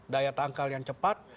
daya tangkal yang cepat